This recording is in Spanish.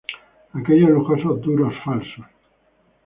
Aquellos lujosos duros falsos".